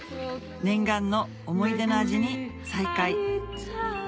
念願の思い出の味に再会